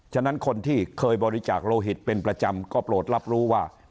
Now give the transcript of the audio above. ฉะนั้นคนที่เคยบริจาคโลหิตเป็นประจำก็โปรดรับรู้ว่า